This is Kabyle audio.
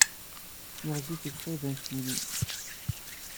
Ɣezzifet qrib anect-nnem.